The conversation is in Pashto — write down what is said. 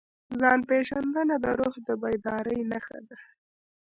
ځان پېژندنه د روح د بیدارۍ نښه ده.